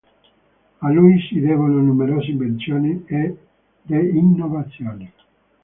A lui si devono numerose invenzioni e d’innovazioni.